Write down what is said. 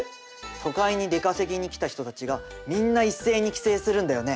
都会に出稼ぎに来た人たちがみんな一斉に帰省するんだよね。